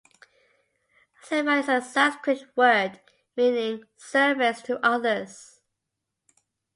Seva is a Sanskrit word meaning service to others.